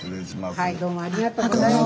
はいどうもありがとうございます。